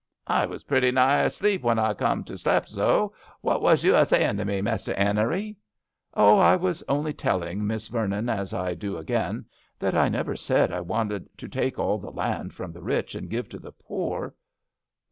"I was pretty nigh asleep when I come to slep zo. What was you a zayin' to me, Mester 'Enery ?"" Oh ! I was only telling Miss Vernon, as I do again, that I never said I wanted to take all the land from the rich and give to the poor."